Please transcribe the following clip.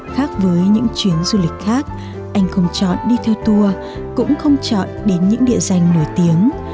khác với những chuyến du lịch khác anh không chọn đi theo tour cũng không chọn đến những địa danh nổi tiếng